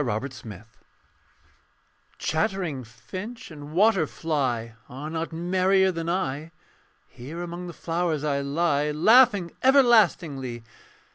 THE SKELETON Chattering finch and water fly Are not merrier than I; Here among the flowers I lie Laughing everlastingly.